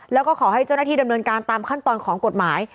แล้วก็ขอให้เจ้าหน้าที่ดำเนินการตามขั้นตอนของกฎหมาย